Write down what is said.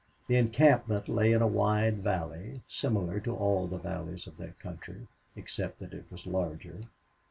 The encampment lay in a wide valley, similar to all the valleys of that country, except that it was larger.